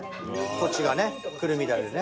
こっちがねくるみダレでね。